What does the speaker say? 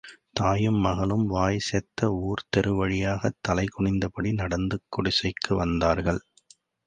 தாயும், மகளும் வாய் செத்த ஊர்த் தெருவழியாகத் தலை குனிந்த படி நடந்து குடிசைக்கு வந்தார்கள்.